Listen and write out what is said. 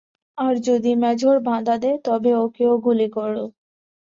আর যদি মেজর বাধা দেয় তবে ওকেও গুলি করো।